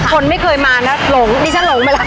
คนไม่เคยมานะหลงดิฉันหลงไปแล้ว